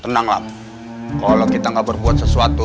tenang lap kalo kita gak berbuat sesuatu